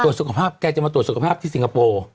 สุขภาพแกจะมาตรวจสุขภาพที่สิงคโปร์